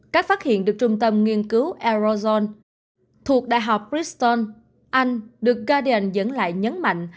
các phát hiện được trung tâm nghiên cứu arizona thuộc đại học bristol anh được guardian dẫn lại nhấn mạnh